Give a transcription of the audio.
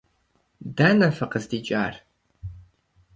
Дэнэ фыкъыздикӀар?